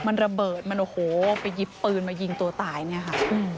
มันโอ้โฮไปยิบปืนมายิงตัวตายนี่ค่ะ